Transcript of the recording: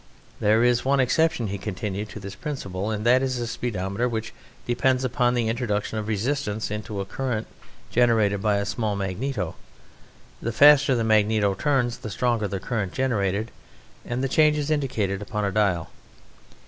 "There is one exception," he continued, "to this principle, and that is a speedometer which depends upon the introduction of resistance into a current generated by a small magneto. The faster the magneto turns the stronger the current generated, and the change is indicated upon a dial."